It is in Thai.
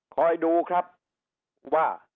คอยดูครับว่า